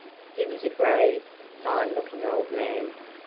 He was a grave, fine looking old man.